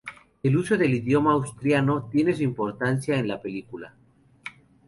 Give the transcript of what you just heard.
El uso del idioma asturiano tiene su importancia en la película.